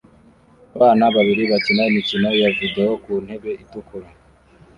Abana babiri bakina imikino ya videwo ku ntebe itukura